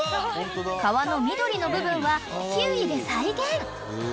［皮の緑の部分はキウイで再現］